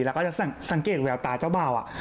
แล้วก็จะสังเกตแววตาเจ้าบ่าว